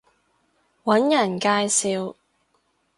搵人介紹